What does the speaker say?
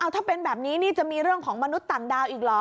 ถ้าเป็นแบบนี้นี่จะมีเรื่องของมนุษย์ต่างดาวอีกเหรอ